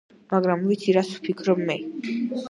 მაგრამ ვიცი რას ვფიქრობ მე.